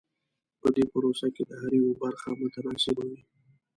په دې پروسه کې د هر یوه برخه متناسبه وي.